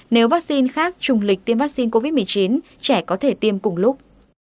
nếu vaccine khác trùng lịch tiêm vaccine covid một mươi chín trẻ có thể tiêm cùng lúc